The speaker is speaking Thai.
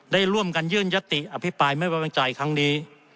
ได้ร่วมกันยื่นยติอภิปรายไม่ไว้วางใจครั้งนี้